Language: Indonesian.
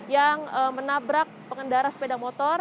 yang menabrak pengendara sepeda motor